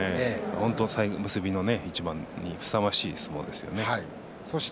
本当に結びの一番にふさわしい相撲でした。